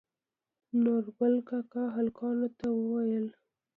نورګل کاکا هلکانو ته وويل